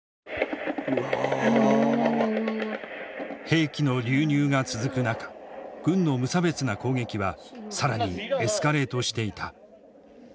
兵器の流入が続く中軍の無差別な攻撃は更にエスカレートしていた。